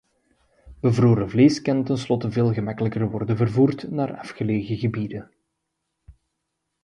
Bevroren vlees kan tenslotte veel makkelijker worden vervoerd naar afgelegen gebieden.